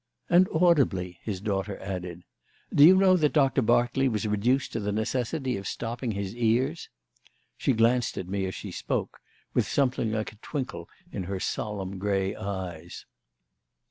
"And audibly," his daughter added. "Do you know that Doctor Berkeley was reduced to the necessity of stopping his ears?" She glanced at me, as she spoke, with something like a twinkle in her solemn grey eyes.